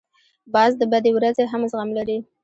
باز د بدې ورځې هم زغم لري